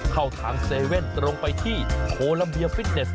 เข้าทางเซเว่นตรงไปที่โคลัมเบียฟิตเนส